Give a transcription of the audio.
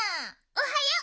おはよう！